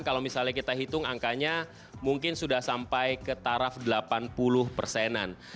kalau misalnya kita hitung angkanya mungkin sudah sampai ke taraf delapan puluh persenan